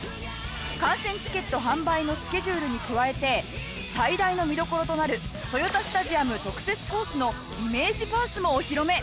観戦チケット販売のスケジュールに加えて最大の見どころとなる豊田スタジアム特設コースのイメージパースもお披露目！